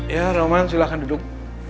ya roman silahkan duduk